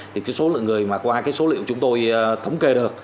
thì cái số lượng người mà qua cái số liệu chúng tôi thống kê được